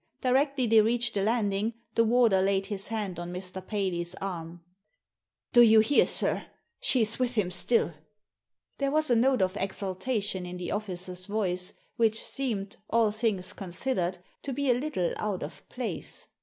Directly they reached the landing the warder laid his hand on Mr. Paley's arm. "Do you hear, sir? ^She'swith him still!" There was a note of exultation in the officer's voice which seemed, all things considered, to be a little out of place.